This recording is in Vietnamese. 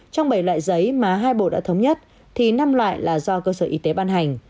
trong bảy loại giấy mà hai bộ đã thống nhất thì năm loại là do cơ sở y tế ban hành